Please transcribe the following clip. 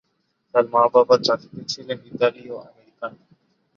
তার মা-বাবা জাতিতে ছিলেন ইতালীয় আমেরিকান।